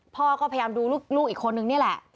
พ่อก็พยายามดูลูกอีกคนนึงนี่แหละ